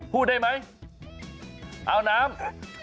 พูดได้ไหมเอาน้ำ